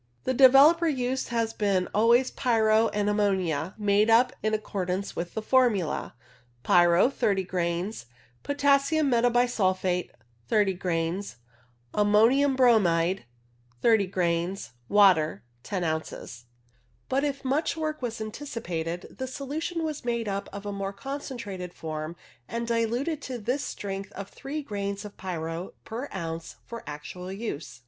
The developer used has been always pyro and ammonia, made up in accordance with the formula — Pyro 30 grains Potassium metabisulphite .. 30 „ Ammonium bromide ... 30 „ Water 10 ozs. But if much work was anticipated the solution 176 CLOUD PHOTOGRAPHY was made up in a more concentrated form, and diluted to this strength of 3 grains of pyro per ounce for actual use.